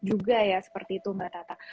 juga ya seperti itu mbak tata